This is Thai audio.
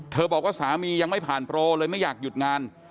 บอกว่าสามียังไม่ผ่านโปรเลยไม่อยากหยุดงาน